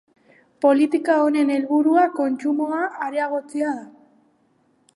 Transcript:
Politika honen helburua kontsumoa areagotzea da.